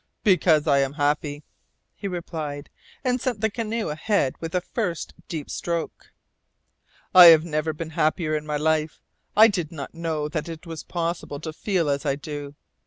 "Because I am happy," he replied, and sent the canoe ahead with a first deep stroke. "I have never been happier in my life. I did not know that it was possible to feel as I do."